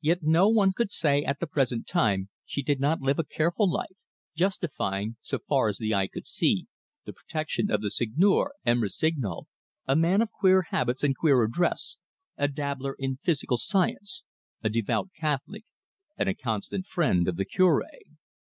Yet no one could say that at the present time she did not live a careful life, justifying, so far as eye could see, the protection of the Seigneur, M. Rossignol, a man of queer habits and queerer dress, a dabbler in physical science, a devout Catholic, and a constant friend of the Cure.